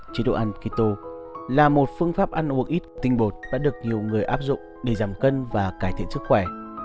chế độ ăn kỳto là một phương pháp ăn uống ít tinh bột đã được nhiều người áp dụng để giảm cân và cải thiện sức khỏe